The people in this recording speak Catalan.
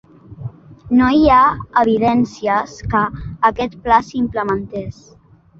No hi ha evidències que aquest pla s'implementés.